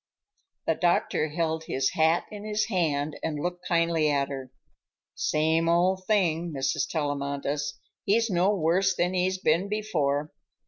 The doctor held his hat in his hand and looked kindly at her. "Same old thing, Mrs. Tellamantez. He's no worse than he's been before.